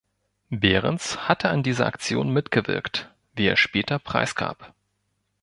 Behrends hatte an dieser Aktion mitgewirkt, wie er später preisgab.